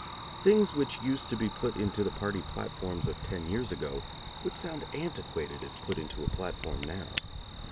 Things which used to be put into the party platforms of ten years ago would sound antiquated if put into a platform now.